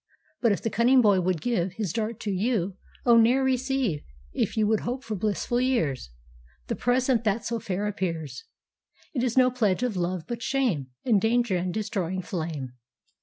But if the cunning boy would giveHis dart to you, oh, ne'er receive, If you would hope for blissful years, The present that so fair appears:It is no pledge of love, but shame, And danger, and destroying flame.